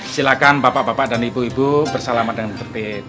silakan bapak bapak dan ibu ibu bersalamat dan tetap baik